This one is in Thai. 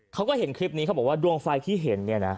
เขาก็เห็นคลิปนี้เขาบอกว่าดวงไฟที่เห็นเนี่ยนะ